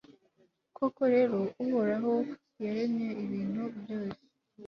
koko rero uhoraho yaremye ibintu byose